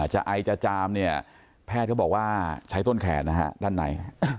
ไอจะจามเนี่ยแพทย์เขาบอกว่าใช้ต้นแขนนะฮะด้านใน